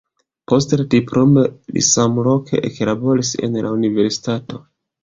Post la diplomo li samloke eklaboris en la universitato.